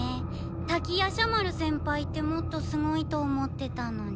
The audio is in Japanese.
滝夜叉丸先輩ってもっとすごいと思ってたのに。